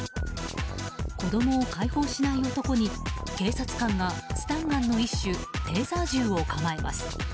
子供を解放しない男に警察官がスタンガンの一種テーザー銃を構えます。